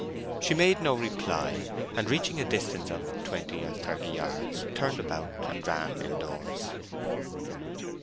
She made no reply, and, reaching a distance of twenty or thirty yards, turned about, and ran indoors.